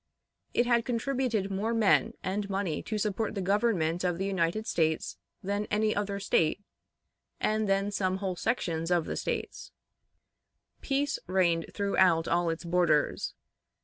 It had contributed more men and money to support the Government of the United States than any other State, and than some whole sections of States. Peace reigned throughout all its borders.